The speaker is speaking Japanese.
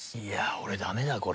俺ダメだこれ。